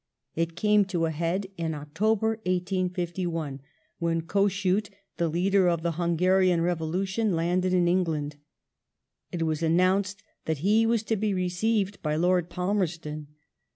It came to a head in October, 1851, when Kossuth, the leader of the Hungaiian revolution, landed in England. It was announced that he was to be received by Lord Palmerston.